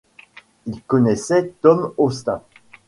Il connaissait Tom Austin.